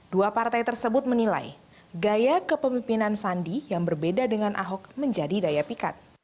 dua partai tersebut menilai gaya kepemimpinan sandi yang berbeda dengan ahok menjadi daya pikat